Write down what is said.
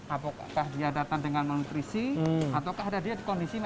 apakah dia datang dengan malnutrisi ataukah dia ada di kondisi medis tertentu